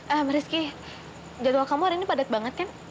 eh rizky jadwal kamu hari ini padat banget kan